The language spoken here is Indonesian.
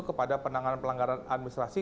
kepada penanganan pelanggaran administrasi